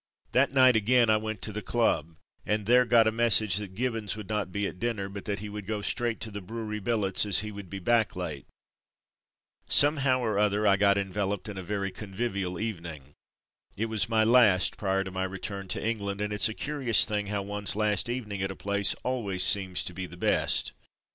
That night, again, I went to A Brewery Billet 281 the Club and there got a message that Gib bons would not be at dinner, but that he would go straight to the brewery billets as he would be back late. Somehow or other I got enveloped in a very convivial evening. It was my last prior to my return to England and it's a curious thing how one's last eve ning at a place always seems to be the best.